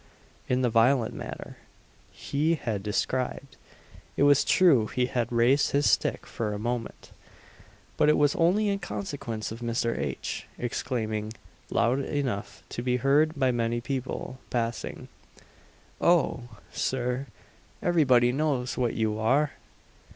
in the violent manner he had described. It was true he had raised his stick for a moment, but it was only in consequence of Mr. H. exclaiming, loud enough to be heard by many people passing, "Oh! Sir everybody knows what you are!"